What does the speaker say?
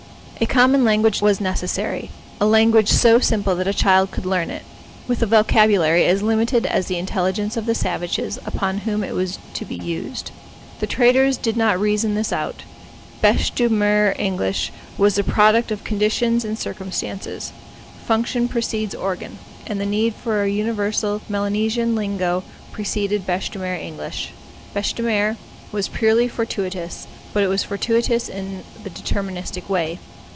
A common language was necessary—a language so simple that a child could learn it, with a vocabulary as limited as the intelligence of the savages upon whom it was to be used. The traders did not reason this out. Bêche de mer English was the product of conditions and circumstances. Function precedes organ; and the need for a universal Melanesian lingo preceded bêche de mer English. Bêche de mer was purely fortuitous, but it was fortuitous in the deterministic way.